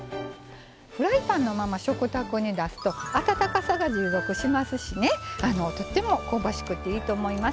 フライパンのまま食卓に出すと温かさが持続しますしとっても香ばしくていいと思います。